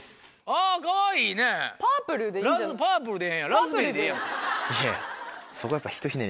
あぁかわいいね。